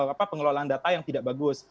apa pengelolaan data yang tidak bagus